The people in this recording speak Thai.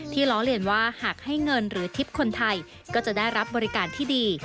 ล้อเลียนว่าหากให้เงินหรือทริปคนไทยก็จะได้รับบริการที่ดี